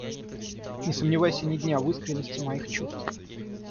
Не сомневайся ни дня в искренности моих чувств.